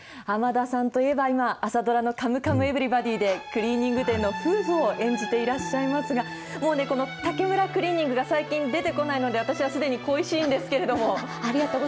濱田さんといえば、今、朝ドラのカムカムエヴリバディで、クリーニング店の夫婦を演じていらっしゃいますが、もう、この竹村クリーニングが最近、出てこないので、私はすでに恋しいんですけれども。